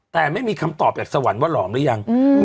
แต่ไม่มีคำตอบจากสวรรค์ว่าหลอมหรือยัง